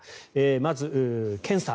まず、検査。